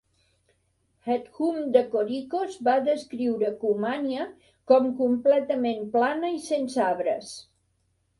Hethum de Korykos va descriure Cumania com "completament plana i sense arbres".